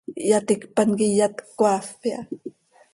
Ihyaticpan quih iyat cöcaafp iha.